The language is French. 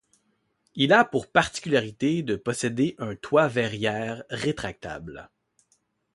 Il a pour particularité de posséder un toit-verrière rétractable.